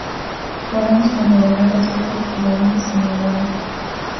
Podemos considerar dos tipos equivalentes como iguales